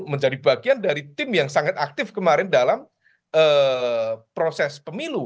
menjadi bagian dari tim yang sangat aktif kemarin dalam proses pemilu